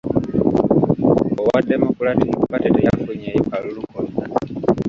Owa Democratic Party teyafunyeewo kalulu konna.